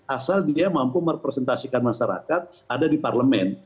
asal dia mampu merepresentasikan masyarakat ada di parlemen